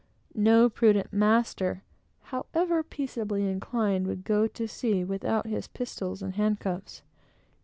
No prudent master, however peaceably inclined, would go to sea without his pistols and handcuffs.